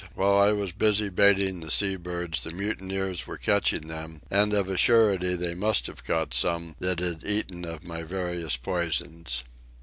While I was busy baiting the sea birds the mutineers were catching them, and of a surety they must have caught some that had eaten of my various poisons.